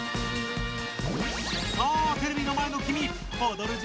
さあテレビの前のきみ！